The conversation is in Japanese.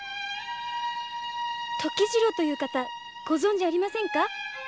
時次郎という方ご存じありませんか？